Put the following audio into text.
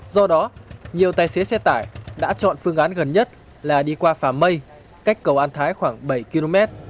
do đó nhiều tài xế xe tải đã chọn phương án gần nhất là đi qua phà mây cách cầu an thái khoảng bảy km